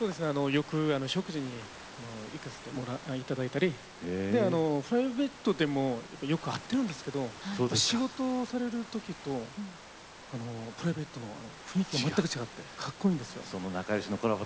よく食事に行かせていただいたりプライベートでもよく会ってるんですけど仕事をされるときとプライベートの雰囲気が全く違って、かっこいいんですよ。